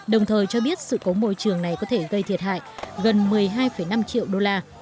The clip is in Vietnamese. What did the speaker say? đồng thời cho biết sự cố môi trường này có thể gây thiệt hại gần một mươi hai năm triệu đô la